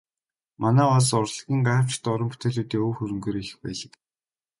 Манай улс урлагийн гайхамшигтай уран бүтээлүүдийн өв хөрөнгөөрөө их баялаг.